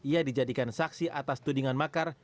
ia dijadikan saksi atas tudingan makar